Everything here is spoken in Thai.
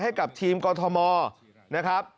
ให้กับทีมกรทมนะครับ